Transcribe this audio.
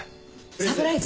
サプライズ？